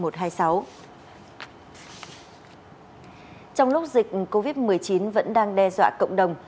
trong lúc dịch covid một mươi chín vẫn đang đe dọa cộng đồng